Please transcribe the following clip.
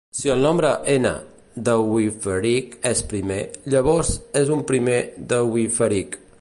Si el nombre "n" de Wieferich és primer, llavors és un primer de Wieferich.